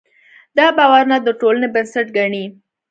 دا باورونه د ټولنې بنسټ ګڼي.